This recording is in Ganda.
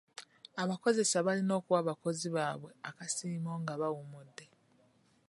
Abakozesa balina okuwa abakozi baabwe akasiimu nga bawummudde.